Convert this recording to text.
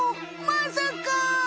まさか！